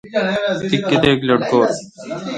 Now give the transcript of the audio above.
تی کتیک لٹکور؟